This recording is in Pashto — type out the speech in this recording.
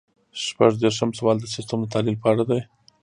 شپږ دېرشم سوال د سیسټم د تحلیل په اړه دی.